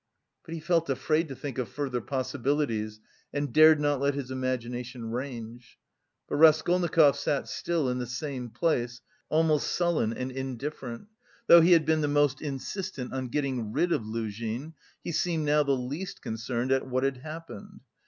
But he felt afraid to think of further possibilities and dared not let his imagination range. But Raskolnikov sat still in the same place, almost sullen and indifferent. Though he had been the most insistent on getting rid of Luzhin, he seemed now the least concerned at what had happened.